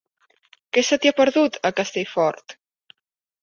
Què se t'hi ha perdut, a Castellfort?